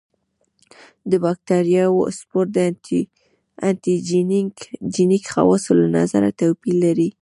د باکتریاوو سپور د انټي جېنیک خواصو له نظره توپیر لري.